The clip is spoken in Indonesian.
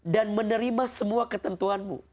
dan menerima semua ketentuanmu